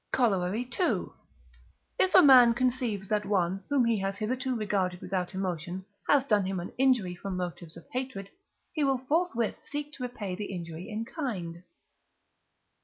Corollary II. If a man conceives that one, whom he has hitherto regarded without emotion, has done him any injury from motives of hatred, he will forthwith seek to repay the injury in kind.